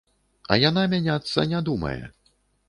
А яна мяняцца не думае.